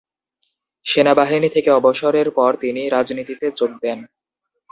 সেনাবাহিনী থেকে অবসরের পর তিনি রাজনীতিতে যোগ দেন।